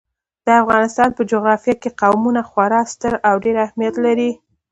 د افغانستان په جغرافیه کې قومونه خورا ستر او ډېر اهمیت لري.